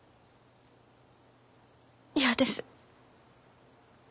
嫌です。